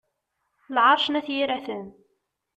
Lɛerc n At yiraten.